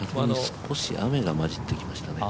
少し雨が混じっていましたね。